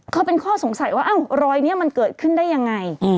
ก็เป็นข้อสงสัยว่ารอยนี้เกิดขึ้นได้อย่างไร